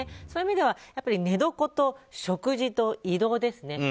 そういう意味では寝床と食事と移動ですね。